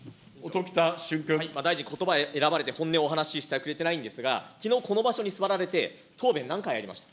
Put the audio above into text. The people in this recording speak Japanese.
大臣、ことば選ばれて、本音をお話してくれてないんですが、きのう、この場所に座られて、答弁何回ありました。